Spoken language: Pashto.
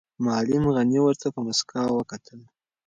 معلم غني ورته په موسکا وکتل.